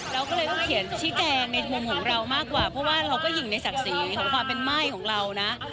เราก็เลยต้องเขียนชี้แจงในมุมของเรามากกว่าเพราะว่าเราก็หญิงในศักดิ์ศรีของความเป็นม่ายของเรานะ